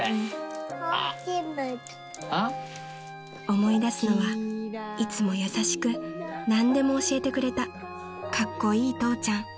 ［思い出すのはいつも優しく何でも教えてくれたカッコイイ父ちゃん］